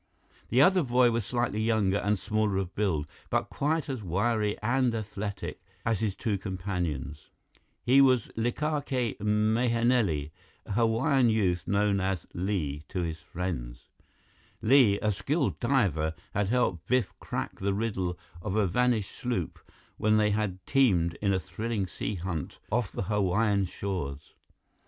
The other boy was slightly younger and smaller of build, but quite as wiry and athletic as his two companions. He was Likake Mahenili, a Hawaiian youth known as "Li" to his friends. Li, a skilled diver, had helped Biff crack the riddle of a vanished sloop when they had teamed in a thrilling sea hunt off the Hawaiian shores.